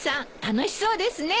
楽しそうですね。